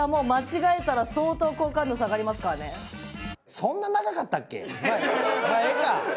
そんな長かった？